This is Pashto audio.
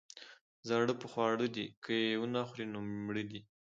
ـ زاړه په خواړه دي، که يې ونخوري نو مړه دي.